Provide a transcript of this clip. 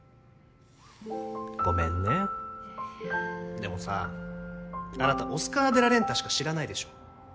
でもさあなたオスカー・デ・ラ・レンタしか知らないでしょ